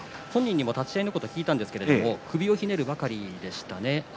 本人に立ち合いのことを聞きましたが首をひねるばかりでした。